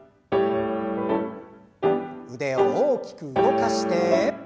腕を大きく動かして。